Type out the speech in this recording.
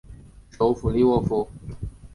首府利沃夫。